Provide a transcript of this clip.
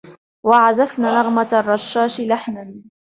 و عزفنا نغمة الرشاش لحنا